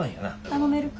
・頼めるか？